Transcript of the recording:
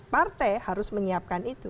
partai harus menyiapkan itu